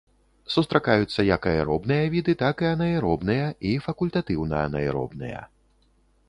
Сустракаюцца як аэробныя віды, так і анаэробныя і факультатыўна-анаэробныя.